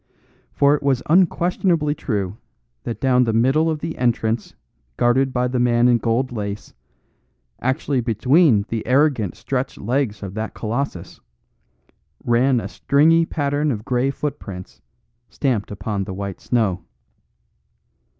For it was unquestionably true that down the middle of the entrance guarded by the man in gold lace, actually between the arrogant, stretched legs of that colossus, ran a stringy pattern of grey footprints stamped upon the white snow.